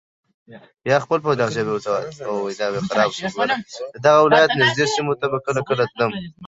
د دغه ولایت نږدې سیمو ته به کله کله تلم.